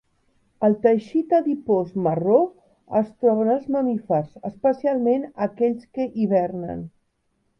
El teixit adipós marró es troba en els mamífers, especialment aquells que hibernen.